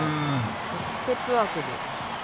ステップワークに。